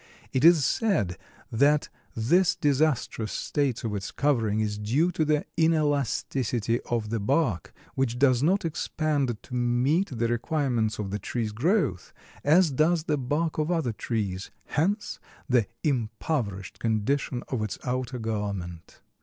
It is said that this disastrous state of its covering is due to the inelasticity of the bark, which does not expand to meet the requirements of the tree's growth, as does the bark of other trees, hence the impoverished condition of its outer garment.